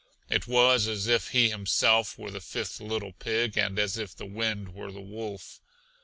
It was as if he himself were the fifth little pig, and as if the wind were the wolf.